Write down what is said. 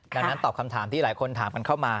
ดังนั้นตอบคำถามที่หลายคนถามกันเข้ามา